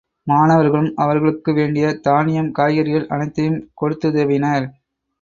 மாணவர்களும் அவர்களுக்கு வேண்டிய தானியம் காய்கறிகள் அனைத்தையும் கொடுத்துதவினர்.